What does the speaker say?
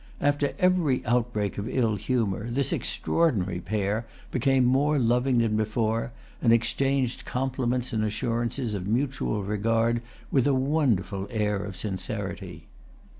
After every outbreak of ill humor this extraordinary pair became more loving than before, and exchanged compliments and assurances of mutual regard with a wonderful air of sincerity.